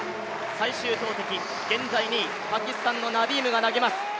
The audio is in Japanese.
最終投てき、現在２位、パキスタンのナディームが投げます。